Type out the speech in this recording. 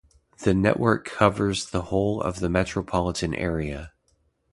The network covers the whole of the metropolitan area.